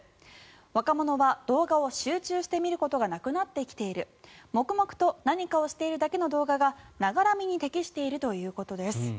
若者は動画を集中して見ることがなくなってきている黙々と何かをしているだけの動画がながら見に適しているということです。